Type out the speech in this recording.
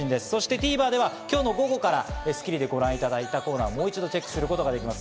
ＴＶｅｒでは今日の午後から『スッキリ』でご覧いただいたコーナーをもう一度チェックすることができます。